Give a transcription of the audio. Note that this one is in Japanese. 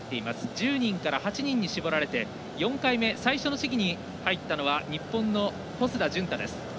１０人から８人に絞られて４回目最初の試技に入ったのは、日本の小須田潤太です。